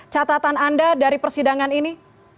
catatan anda dari persidangan ini